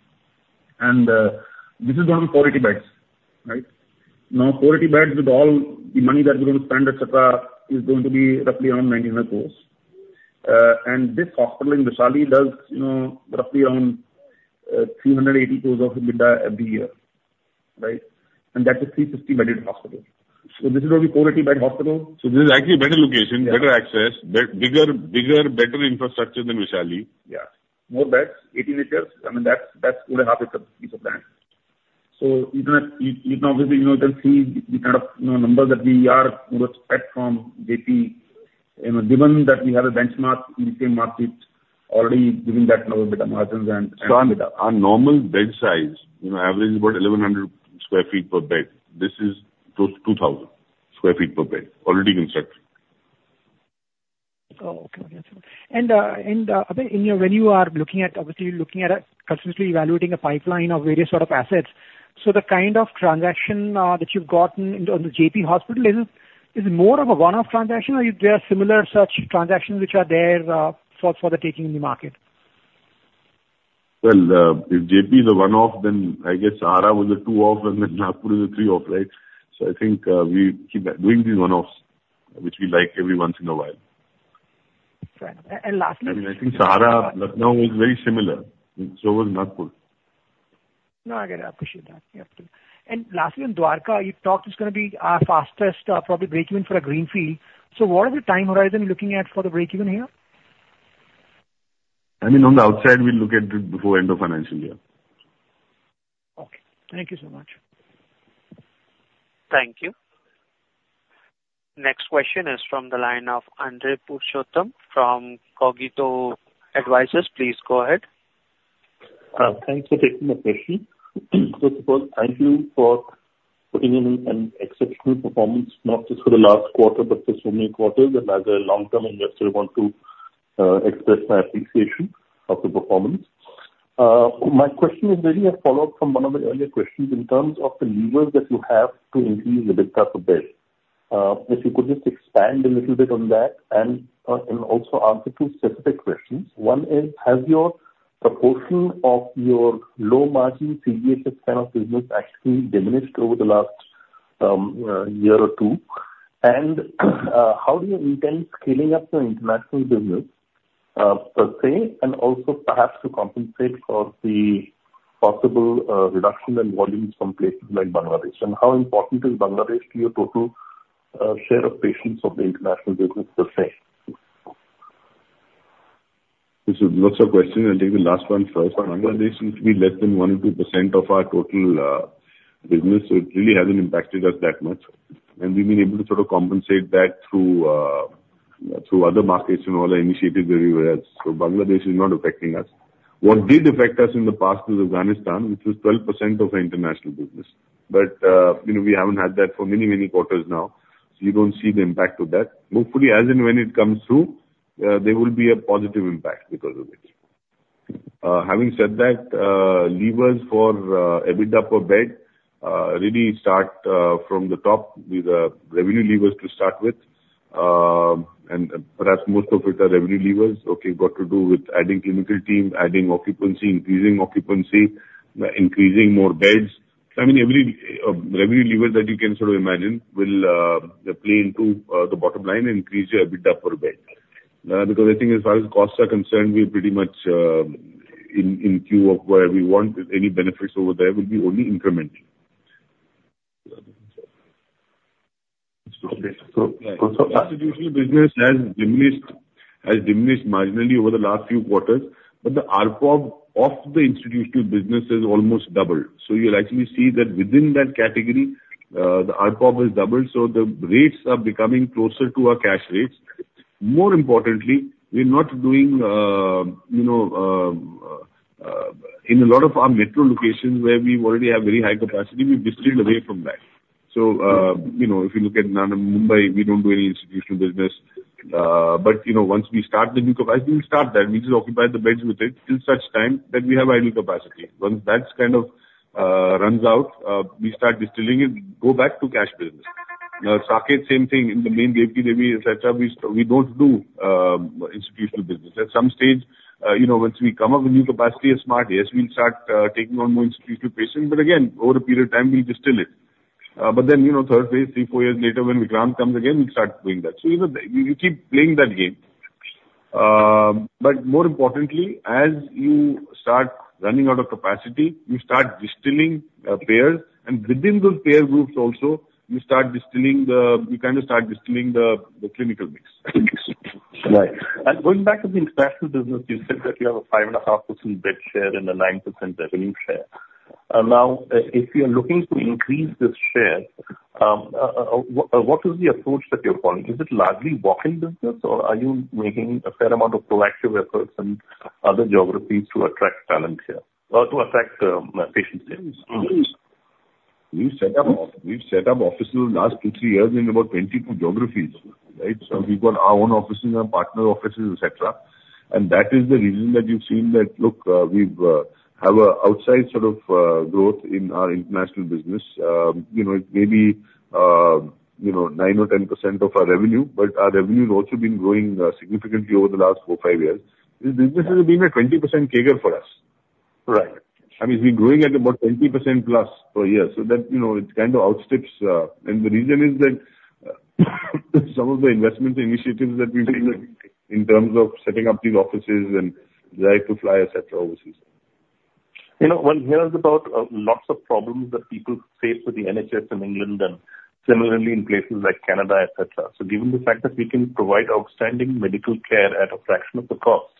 And this is going to be 480 beds, right? Now, 480 beds with all the money that we're going to spend, etc., is going to be roughly around 99 crores. And this hospital in Vaishali does roughly around 380 crores of EBITDA every year, right? And that's a 360-bedded hospital. So this is going to be 480-bed hospital. So this is actually a better location, better access, bigger, better infrastructure than Vaishali. Yeah. More beds, 18 acres. I mean, that's going to help with the piece of land. So obviously, you can see the kind of numbers that we are going to expect from Jaypee, given that we have a benchmark in the same market already giving that number of EBITDA margins and EBITDA. So our normal bed size average is about 1,100 sq ft per bed. This is 2,000 sq ft per bed, already constructed. Oh, okay. Okay. I think when you are looking at, obviously, you're looking at continuously evaluating a pipeline of various sort of assets. So the kind of transaction that you've gotten on the Jaypee Hospital is more of a one-off transaction or are there similar such transactions which are there for the taking in the market? If Jaypee is a one-off, then I guess Sahara was a two-off and then Nagpur is a three-off, right? So I think we keep doing these one-offs, which we like every once in a while. Right. Lastly. I mean, I think Sahara now is very similar. So was Nagpur. No, I get it. I appreciate that. Yeah. Lastly, on Dwarka, you talked it's going to be our fastest probably breakeven for a greenfield. So what is the time horizon you're looking at for the breakeven here? I mean, on the outside, we'll look at it before end of financial year. Okay. Thank you so much. Thank you. Next question is from the line of Andrey Purushottam from Cogito Advisors. Please go ahead. Thanks for taking the question. First of all, thank you for putting in an exceptional performance, not just for the last quarter but for so many quarters that as a long-term investor, I want to express my appreciation of the performance. My question is really a follow-up from one of the earlier questions in terms of the levers that you have to increase EBITDA per bed. If you could just expand a little bit on that and also answer two specific questions. One is, has your proportion of your low-margin CGHS kind of business actually diminished over the last year or two? And how do you intend scaling up your international business, per se, and also perhaps to compensate for the possible reduction in volumes from places like Bangladesh? And how important is Bangladesh to your total share of patients of the international business, per se? This is lots of questions. I'll take the last one first. Bangladesh seems to be less than 1%-2% of our total business, so it really hasn't impacted us that much. And we've been able to sort of compensate that through other markets and other initiatives everywhere else. So Bangladesh is not affecting us. What did affect us in the past is Afghanistan, which was 12% of our international business. But we haven't had that for many, many quarters now. So you don't see the impact of that. Hopefully, as in when it comes through, there will be a positive impact because of it. Having said that, levers for EBITDA per bed really start from the top with revenue levers to start with. And perhaps most of it are revenue levers. Okay, got to do with adding clinical team, adding occupancy, increasing occupancy, increasing more beds. So I mean, every revenue lever that you can sort of imagine will play into the bottom line and increase your EBITDA per bed. Because I think as far as costs are concerned, we're pretty much in line with where we want any benefits over there will be only incremental. So institutional business has diminished marginally over the last few quarters, but the ARPOB of the institutional business has almost doubled. So you'll actually see that within that category, the ARPOB has doubled. So the rates are becoming closer to our cash rates. More importantly, we're not doing in a lot of our metro locations where we already have very high capacity, we've diluted away from that. So if you look at Mumbai, we don't do any institutional business, but once we start the new capacity, we'll start that. We just occupy the beds with it till such time that we have idle capacity. Once that kind of runs out, we start diluting it, go back to cash business. Saket is the same thing in the main, Jaypee, Vaishali, etc. We don't do institutional business. At some stage, once we come up with new capacity, Saket, yes, we'll start taking on more institutional patients, but again, over a period of time, we'll dilute it, but then third phase, three, four years later, when Vikram comes again, we'll start doing that, so you keep playing that game. More importantly, as you start running out of capacity, you start distilling payers. And within those payer groups also, you start distilling the clinical mix. Right. Going back to the international business, you said that you have a 5.5% bed share and a 9% revenue share. Now, if you're looking to increase this share, what is the approach that you're following? Is it largely walk-in business, or are you making a fair amount of proactive efforts in other geographies to attract talent here or to attract patients here? We've set up offices in the last two, three years in about 22 geographies, right? So we've got our own offices and partner offices, etc. That is the reason that you've seen that, look, we have an outsized sort of growth in our international business. It may be 9% or 10% of our revenue, but our revenue has also been growing significantly over the last four, five years. This business has been a 20% CAGR for us. Right. I mean, it's been growing at about 20%+ per year. So it kind of outstrips, and the reason is that some of the investment initiatives that we've been making in terms of setting up these offices and fly, etc., overseas. Well, there are a lot of problems that people face with the NHS in England and similarly in places like Canada, etc. So given the fact that we can provide outstanding medical care at a fraction of the cost,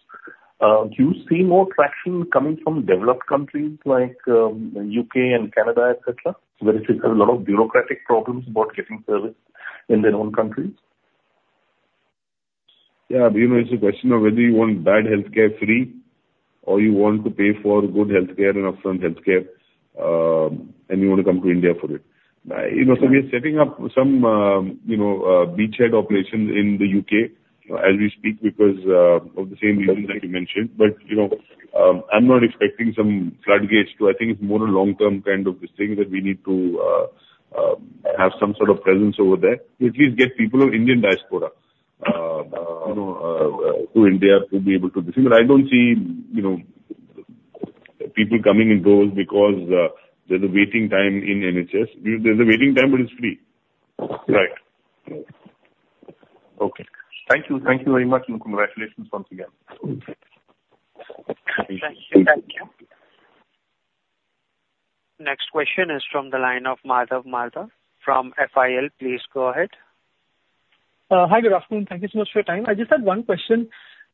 do you see more traction coming from developed countries like the U.K. and Canada, etc., where they have a lot of bureaucratic problems about getting service in their own countries? Yeah. It's a question of whether you want bad healthcare free or you want to pay for good healthcare and upfront healthcare and you want to come to India for it. So we are setting up some beachhead operations in the U.K. as we speak because of the same reasons that you mentioned. But I'm not expecting some floodgates too. I think it's more a long-term kind of thing that we need to have some sort of presence over there. We at least get people of Indian diaspora to India to be able to do this. I don't see people coming in those because there's a waiting time in NHS. There's a waiting time, but it's free. Right. Okay. Thank you. Thank you very much and congratulations once again. Thank you. Thank you. Next question is from the line of Madhav Marda from FIL. Please go ahead. Hi, Abhay. Thank you so much for your time. I just had one question.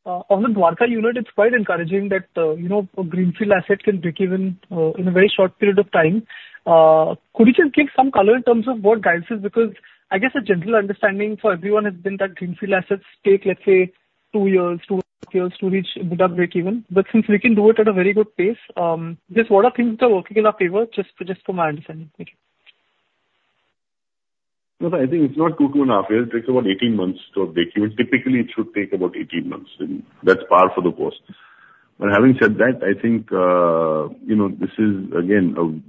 On the Dwarka unit, it's quite encouraging that a greenfield asset can break even in a very short period of time. Could you just give some color in terms of what guides it? Because I guess a general understanding for everyone has been that greenfield assets take, let's say, two years, two and a half years to reach EBITDA breakeven. But since we can do it at a very good pace, just what are things that are working in our favor? Just for my understanding. Thank you. I think it's not two to two and a half years. It takes about 18 months to break even. Typically, it should take about 18 months. That's par for the course. But having said that, I think this is, again, an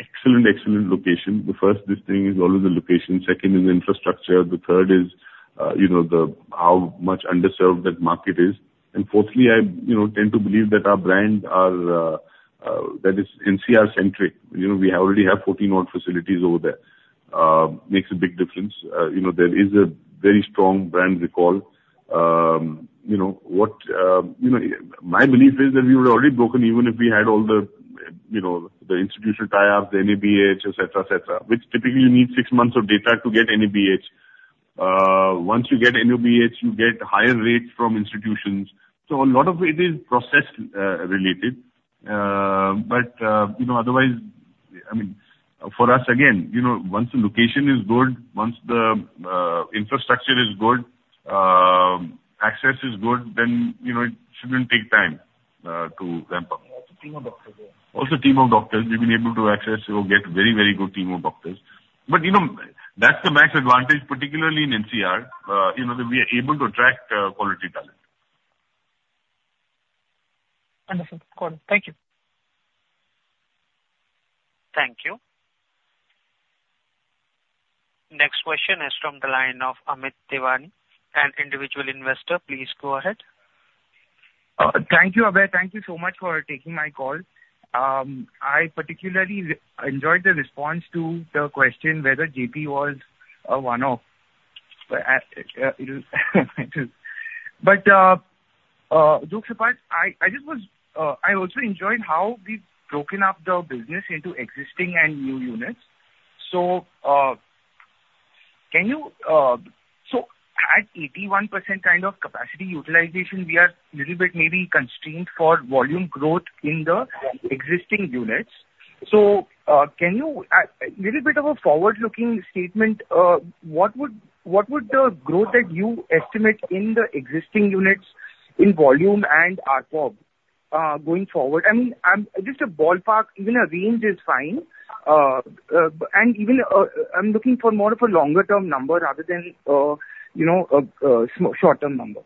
excellent, excellent location. The first thing is always a location. Second is the infrastructure. The third is how much underserved that market is. And fourthly, I tend to believe that our brand that is NCR-centric. We already have 14-odd facilities over there. Makes a big difference. There is a very strong brand recall. What my belief is that we would have already broken even if we had all the institutional tie-ups, the NABH, etc., etc., which typically you need six months of data to get NABH. Once you get NABH, you get higher rates from institutions. So a lot of it is process-related. But otherwise, I mean, for us, again, once the location is good, once the infrastructure is good, access is good, then it shouldn't take time to ramp up. Also, team of doctors. Also, team of doctors. We've been able to access or get very, very good team of doctors. But that's the max advantage, particularly in NCR, that we are able to attract quality talent. Wonderful. Thank you. Thank you. Next question is from the line of Amit Devani, an individual investor. Please go ahead. Thank you, Abhay. Thank you so much for taking my call. I particularly enjoyed the response to the question whether Jaypee was a one-off. But just a thought, I also enjoyed how we've broken up the business into existing and new units. So can you at 81% kind of capacity utilization, we are a little bit maybe constrained for volume growth in the existing units. So can you a little bit of a forward-looking statement? What would the growth that you estimate in the existing units in volume and ARPOB going forward? I mean, just a ballpark, even a range is fine. And even, I'm looking for more of a longer-term number rather than a short-term number.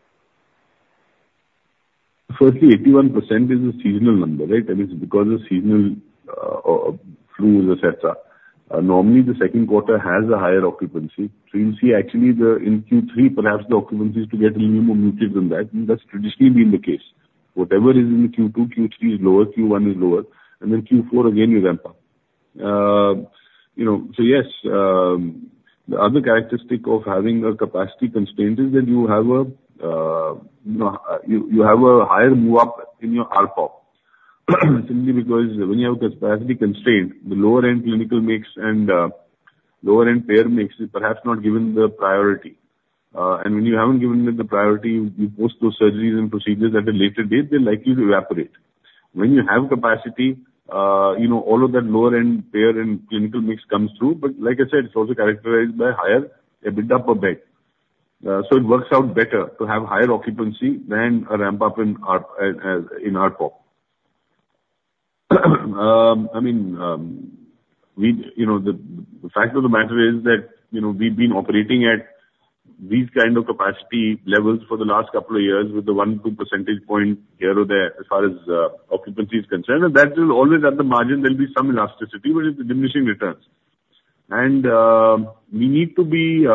Firstly, 81% is a seasonal number, right? And it's because of seasonal flu, etc. Normally, the second quarter has a higher occupancy. So you see, actually, in Q3, perhaps the occupancy is to get a little more muted than that. And that's traditionally been the case. Whatever is in Q2, Q3 is lower. Q1 is lower. And then Q4, again, you ramp up. So yes, the other characteristic of having a capacity constraint is that you have a higher move-up in your ARPOB. Simply because when you have a capacity constraint, the lower-end clinical mix and lower-end payer mix is perhaps not given the priority. And when you haven't given it the priority, you post those surgeries and procedures at a later date, they're likely to evaporate. When you have capacity, all of that lower-end payer and clinical mix comes through. But like I said, it's also characterized by higher EBITDA per bed. So it works out better to have higher occupancy than a ramp-up in ARPOB. I mean, the fact of the matter is that we've been operating at these kind of capacity levels for the last couple of years with the 1%-2% point here or there as far as occupancy is concerned. And that will always at the margin, there'll be some elasticity, but it's diminishing returns. And we need to be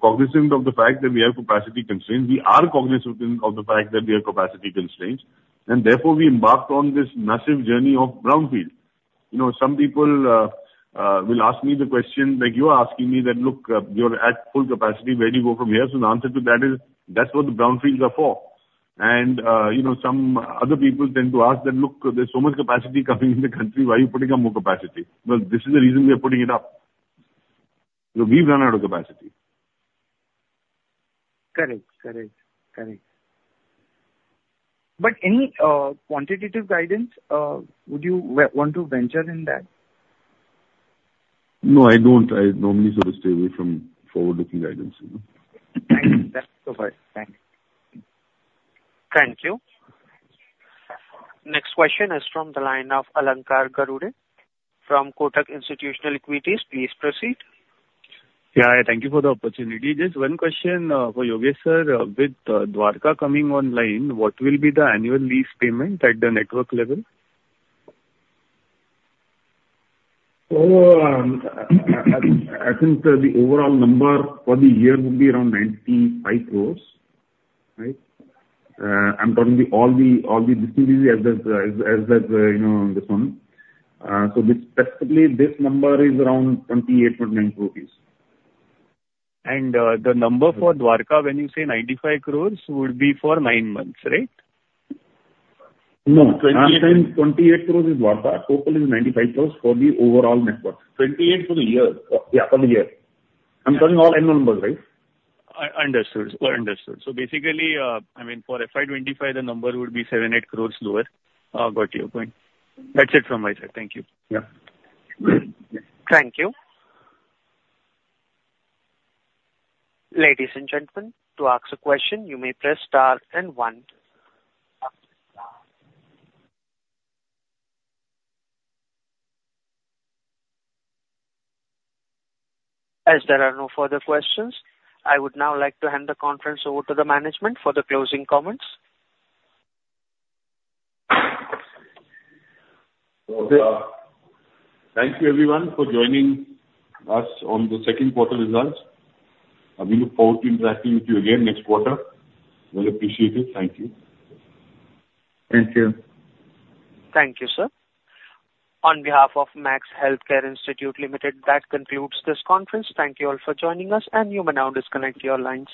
cognizant of the fact that we have capacity constraints. We are cognizant of the fact that we have capacity constraints. And therefore, we embarked on this massive journey of brownfield. Some people will ask me the question like you are asking me that, "Look, you're at full capacity. Where do you go from here?" So the answer to that is, "That's what the brownfields are for." And some other people tend to ask that, "Look, there's so much capacity coming in the country. Why are you putting up more capacity?" Well, this is the reason we are putting it up. We've run out of capacity. Correct. Correct. Correct. But any quantitative guidance? Would you want to venture in that? No, I don't. I normally sort of stay away from forward-looking guidance. Thank you. That's all. Thanks. Thank you. Next question is from the line of Alankar Garude from Kotak Institutional Equities, please proceed. Yeah. I thank you for the opportunity. Just one question for Yogesh Sir. With Dwarka coming online, what will be the annual lease payment at the network level? I think the overall number for the year would be around 95 crores, right? I'm talking all the business trusts as that's one. So specifically, this number is around 28 crores-29 crores rupees. And the number for Dwarka, when you say 95 crores, would be for nine months, right? No. Last time, 28 crores is Dwarka. Total is 95 crores for the overall network. 28 crores for the year? Yeah, for the year. I'm talking all annual numbers, right? Understood. Understood. So basically, I mean, for FY 2025, the number would be 7 crores -8 crores lower. Got your point. That's it from my side. Thank you. Yeah. Thank you. Ladies and gentlemen, to ask a question, you may press star and one. As there are no further questions, I would now like to hand the conference over to the management for the closing comments. Thank you, everyone, for joining us on the second quarter results. We look forward to interacting with you again next quarter. We'll appreciate it. Thank you. Thank you, sir. On behalf of Max Healthcare Institute Limited, that concludes this conference. Thank you all for joining us. And you may now disconnect your lines.